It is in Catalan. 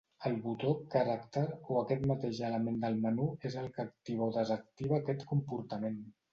El botó "character" o aquest mateix element del menú és el que activa o desactiva aquest comportament.